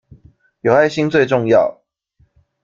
有愛心最重要